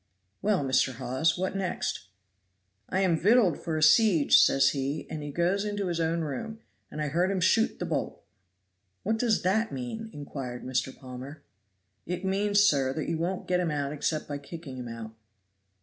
"Well, Mr. Hawes what next?" "'I am victualed for a siege,' says he, and he goes into his own room, and I heard him shoot the bolt." "What does that mean?" inquired Mr. Palmer. "It means, sir, that you won't get him out except by kicking him out."